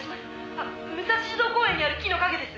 「あっ武蔵児童公園にある木の陰です」